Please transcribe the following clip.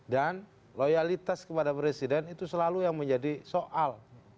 dan loyalitas kepada presiden itu selalu yang menjadi soal